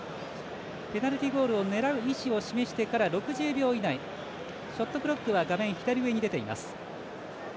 ペナルティゴールを狙う意思を示してから６０秒以内、ショットクロックは画面左上に出ています。